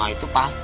itu pasti ya